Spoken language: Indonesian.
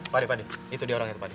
padi padi itu dia orangnya padi